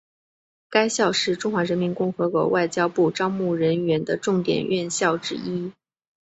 该校是中华人民共和国外交部招募人员的重点院校之一。